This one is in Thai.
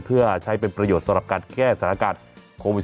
เพื่อใช้เป็นประโยชน์สำหรับการแก้สถานการณ์โควิด๑